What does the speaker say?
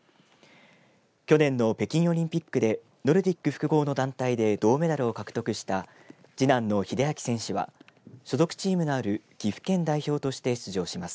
去年の北京オリンピックでノルディック複合の団体で銅メダルを獲得した次男の秀昭選手は所属チームのある岐阜県代表として出場します。